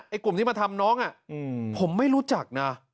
ไอ้กลุ่มที่มาทำน้องอ่ะอืมผมไม่รู้จักน่ะ